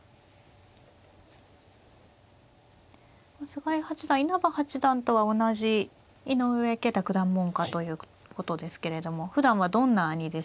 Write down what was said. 菅井八段稲葉八段とは同じ井上慶太九段門下ということですけれどもふだんはどんな兄弟子ですか。